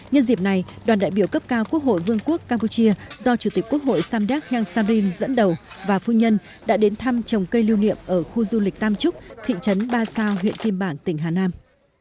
nhân dịp này đoàn đại biểu cấp cao quốc hội vương quốc campuchia do chủ tịch quốc hội samdek heng samrim dẫn đầu và phu nhân đã đến thăm trồng cây lưu niệm ở khu du lịch tam trúc thị trấn ba sao huyện kim bản tỉnh hà nam